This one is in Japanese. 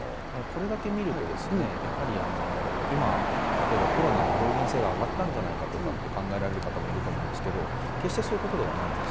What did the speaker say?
これだけを見ると今、コロナの病原性が上がったんじゃないかと考えられる方もいるかもしれませんが、決してそういうことではないです。